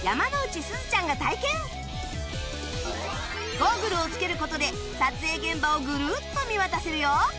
ゴーグルをつける事で撮影現場をグルッと見渡せるよ